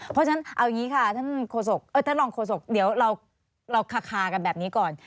เพราะฉะนั้นเอาอย่างนี้ค่ะท่านรองโฆษกเดี๋ยวเราคากันแบบนี้ก่อน